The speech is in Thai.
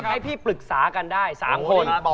ให้พี่ปรึกษากันได้๓คน